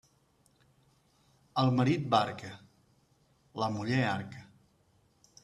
Al marit, barca; la muller, arca.